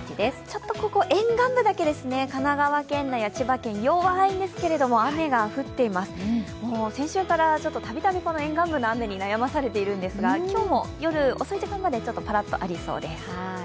ちょっとここ、沿岸部だけ神奈川県内や千葉県、弱いんですけど、雨は降っています、先週からたびたび沿岸部の雨に悩まされているんですが今日も夜遅い時間まで、パラッとありそうです。